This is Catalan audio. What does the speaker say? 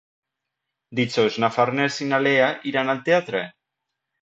Dijous na Farners i na Lea iran al teatre.